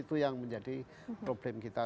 itu yang menjadi problem kita